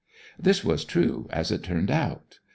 This was true, as it turned out.